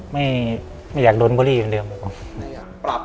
ไม่อยากโดนบอรี่อย่างเดิมครับผม